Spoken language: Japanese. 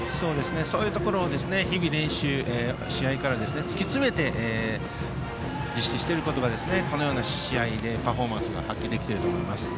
そういうところを日々、練習して試合から突き詰めて実施していることがこのようなパフォーマンスを発揮できていると思います。